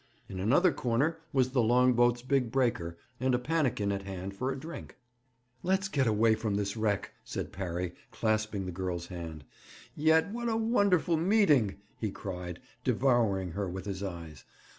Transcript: In another corner was the long boat's big breaker, and a pannikin at hand for a drink. 'Let's get away from this wreck,' said Parry, clasping the girl's hand. 'Yet, what a wonderful meeting!' he cried, devouring her with his eyes.